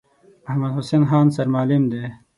محمدحسین خان سرمعلم دی.